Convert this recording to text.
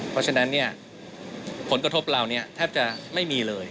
เพราะฉะนั้นเนี่ยผลกระทบเราเนี่ยแทบจะไม่มีเลย